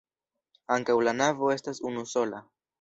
Ankaŭ la navo estas unusola.